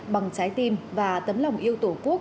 bằng trái tim và tấm lòng yêu tổ quốc